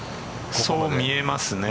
そう見えますね。